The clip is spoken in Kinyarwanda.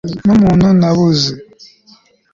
numuntu nabuze